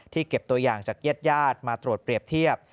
เก็บตัวอย่างจากญาติญาติมาตรวจเปรียบเทียบ